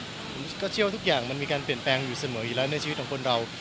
ผมก็เชื่อว่าทุกอย่างมันมีการเปลี่ยนแปลงอยู่เสมออยู่แล้วในชีวิตของคนเรา